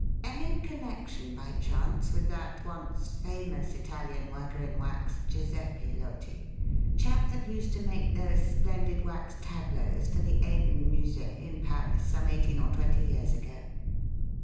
Any connection by chance with that once famous Italian worker in wax, Giuseppe Loti chap that used to make those splendid wax tableaux for the Eden Musée in Paris some eighteen or twenty years ago?"